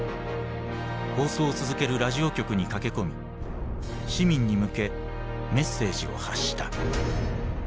放送を続けるラジオ局に駆け込み市民に向けメッセージを発した。